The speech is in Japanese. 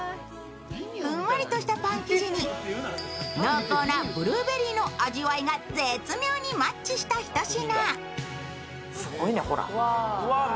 ふんわりとしたパン生地に濃厚なブルーベリーの味わいが絶妙にマッチしたひと品。